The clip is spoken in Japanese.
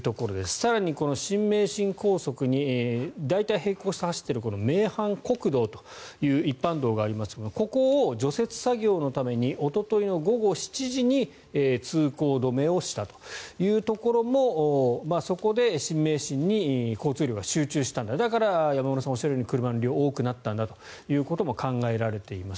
更に新名神高速に大体、並行して走っているこの名阪国道という一般道がありますがここを除雪作業のためにおとといの午後７時に通行止めにしたというところもそこで新名神に交通量が集中しただから山村さんがおっしゃるように車の量が多くなったんだということも考えられています。